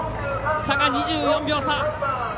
差が２４秒差。